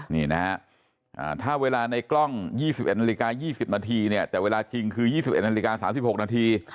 นี่นะฮะถ้าเวลาในกล้อง๒๑นาฬิกา๒๐นาทีเนี่ยแต่เวลาจริงคือ๒๑นาฬิกา๓๖นาที